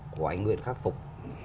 của anh nguyễn khắc phục